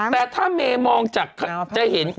แต่ถ้าเมย์มองจากจะเห็น